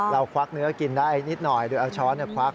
ควักเนื้อกินได้นิดหน่อยโดยเอาช้อนควัก